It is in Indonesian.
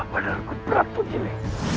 kenapa badanku berat begini